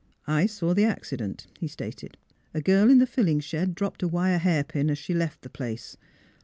" I saw the accident," he stated. " A girl in the filling shed dropped a wire hairpin as she left the place.